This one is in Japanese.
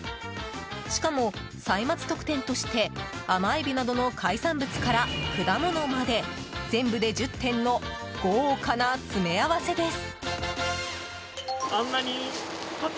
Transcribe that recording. しかも歳末特典として甘エビなどの海産物から果物まで全部で１０点の豪華な詰め合わせです。